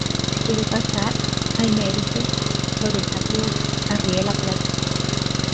si quiere pasar, ahí merito, sobre esa piedra, arríe la plata.